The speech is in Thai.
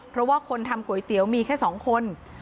เพราะว่าคนทำก๋วยเตี๋ยวมีแค่๒คน